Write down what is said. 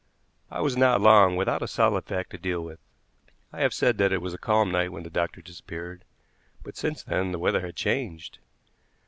I was not long without a solid fact to deal with. I have said that it was a calm night when the doctor disappeared, but since then the weather had changed.